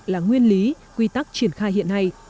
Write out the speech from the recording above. là nguyên lý quy tắc triển khai hiện nay